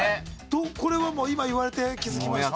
これはもう今言われて気づきました？